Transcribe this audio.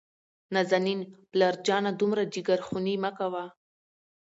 نازنين : پلار جانه دومره جګرخوني مه کوه.